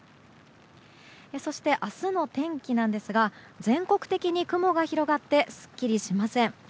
そして、明日の天気なんですが全国的に雲が広がってすっきりしません。